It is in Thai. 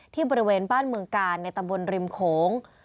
บริเวณบ้านเมืองกาลในตำบลริมโขง